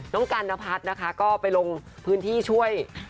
กันนพัฒน์นะคะก็ไปลงพื้นที่ช่วย